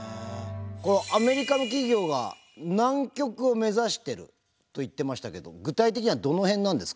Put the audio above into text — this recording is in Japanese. アメリカの企業が南極を目指してると言ってましたけども具体的にはどの辺なんですか？